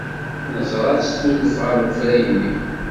Neẓra-tt tudef ɣer wefrag-nni.